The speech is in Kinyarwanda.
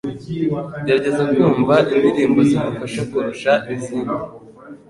gerageza kumva indirimbo zigufasha kurusha izindi